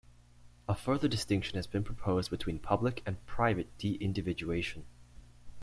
A further distinction has been proposed between public and private deindividuation.